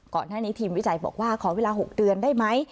ก่อนหน้านี้ทีมวิจัยบอกว่าขอเวลา๖เดือนได้ไหม